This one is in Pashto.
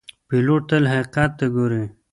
پیلوټ تل حقیقت ته ګوري.